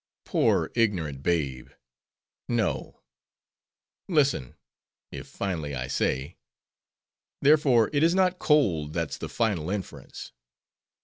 "Poor ignorant babe! no. Listen:—if finally, I say,—Therefore it is not cold that's the final inference."